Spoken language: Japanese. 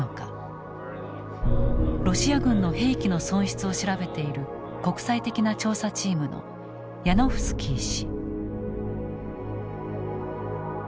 ロシア軍の兵器の損失を調べている国際的な調査チームのヤノフスキー氏。